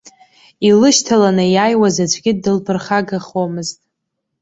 Илышьҭаланы иааиуаз аӡәгьы дылԥырхагахомызт.